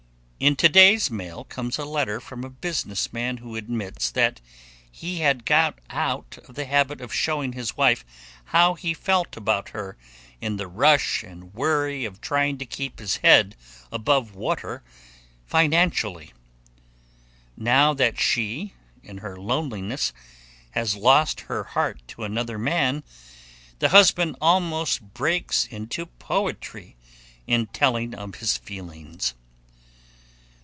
In today's mail comes a letter from a businessman who admits that he had got out of the habit of showing his wife how he felt about her in the rush and worry of trying to keep his head above water financially. Now that she in her loneliness has lost her heart to another man, the husband almost breaks into poetry in telling of his feelings.